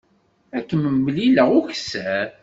Ad kem-mlileɣ ukessar.